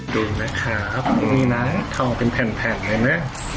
ดูนะครับมีหน้าทองเป็นแผ่นเลยนะ